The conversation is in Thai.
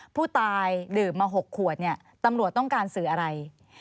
ผู้ตายดื่มมา๖ขวดเนี่ยตำรวจต้องการสื่ออะไร